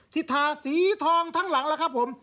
ทาสีทองทั้งหลังแล้วครับผม